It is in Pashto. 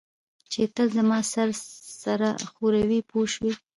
چې تل زما سره سر ښوروي پوه شوې!.